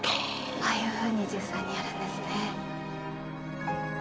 ああいうふうに実際にやるんですね。